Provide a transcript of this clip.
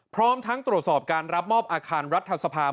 พร้อมทั้งตรวจสอบการรับมอบอาคารรัฐสภา